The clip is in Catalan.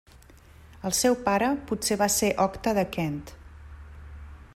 El seu pare potser va ser Octa de Kent.